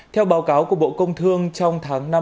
theo báo cáo của bộ công thương trong tháng năm